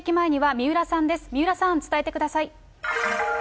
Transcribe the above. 三浦さん、伝えてください。